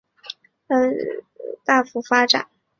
滨松市的经济在战后亦有大幅发展。